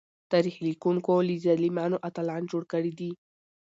تاريخ ليکونکو له ظالمانو اتلان جوړ کړي دي.